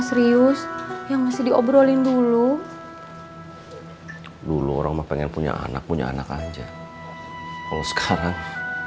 serius yang masih diobrolin dulu dulu orang mah pengen punya anak punya anak aja kalau sekarang